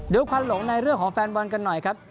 ควันหลงในเรื่องของแฟนบอลกันหน่อยครับ